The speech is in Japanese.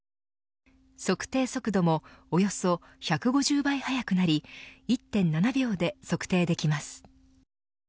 測定速度もおよそ１５０倍速くなり１．７秒で測定できます。